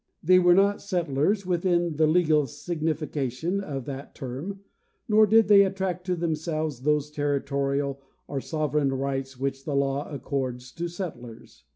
They were not settlers within the legal signification of that term, nor did they attract to themselves those territorial or sovereign rights which the law accords to settlers.